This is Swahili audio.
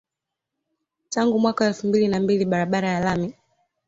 Tangu mwaka wa elfu mbili na mbili barabara ya lami